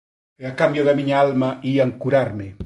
E a cambio da miña alma ían curarme.